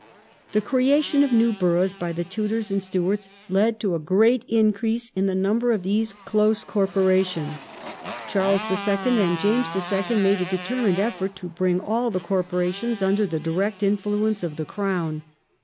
The creation of new boroughs by the Tudoi s and Stuarts led to a great increase in the number of these close corporations. Charles II. and James II. made a determined effort to bring all the corporations under the direct influence of the Crown.